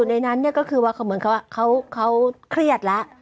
อยู่ในนั้นก็คือว่าเหมือนเขาเครียดแล้ว